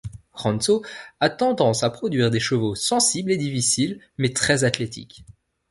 Rantzau a tendance à produire des chevaux sensibles et difficiles, mais très athlétiques.